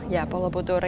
ya pola putur